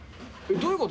どういうこと？